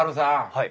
はい。